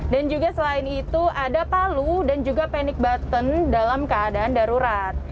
dan juga selain itu ada palu dan juga panic button dalam keadaan darurat